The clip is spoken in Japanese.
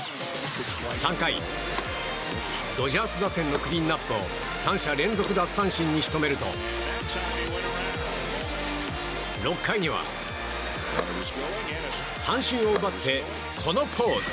３回、ドジャース打線のクリーンアップを３者連続奪三振に仕留めると６回には三振を奪ってこのポーズ。